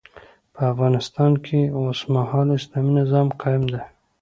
په افغانستان کي اوسمهال اسلامي نظام قايم دی